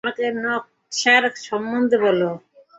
আমাকে নকশার সম্বন্ধে বলো।